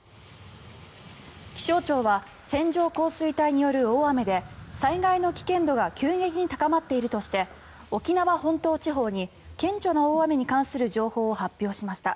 気象庁は線状降水帯による大雨で災害の危険度が急激に高まっているとして沖縄本島地方に顕著な大雨に関する情報を発表しました。